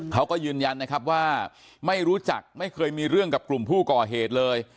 เขาก็ยืนยันนะครับว่าไม่รู้จักไม่เคยมีเรื่องกับกลุ่มผู้ก่อเหตุเลย